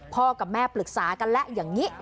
กับแม่ปรึกษากันแล้วอย่างนี้